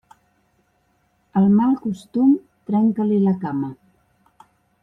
Al mal costum, trenca-li la cama.